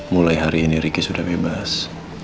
mulai hari ini riki sudah bebas